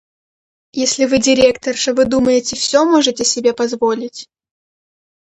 Если Вы директорша, Вы думаете, все можете себе позволять?